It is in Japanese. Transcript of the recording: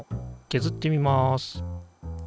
けずってみます。